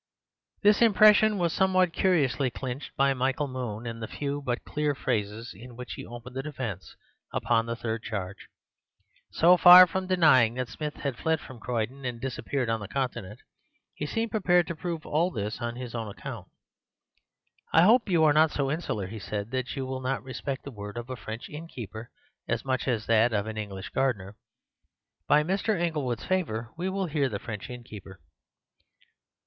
This impression was somewhat curiously clinched by Michael Moon in the few but clear phrases in which he opened the defence upon the third charge. So far from denying that Smith had fled from Croydon and disappeared on the Continent, he seemed prepared to prove all this on his own account. "I hope you are not so insular," he said, "that you will not respect the word of a French innkeeper as much as that of an English gardener. By Mr. Inglewood's favour we will hear the French innkeeper."